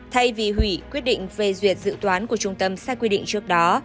thay vì hủy quyết định phê duyệt dự toán của trung tâm sai quy định trước đó